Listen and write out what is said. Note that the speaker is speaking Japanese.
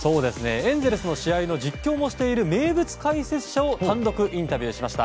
エンゼルスの試合の実況もしている名物解説者を単独インタビューしました。